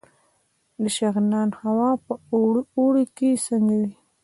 د شغنان هوا په اوړي کې څنګه وي؟